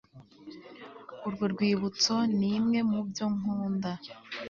urwo rwibutso nimwe mubyo nkunda